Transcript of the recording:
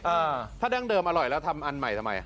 อ่าถ้าดั้งเดิมอร่อยแล้วทำอันใหม่ทำไม